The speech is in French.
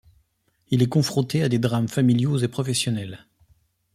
Il est confronté à des drames familiaux et professionnels.